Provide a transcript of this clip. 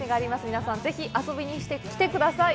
皆さん、ぜひ遊びに来てください。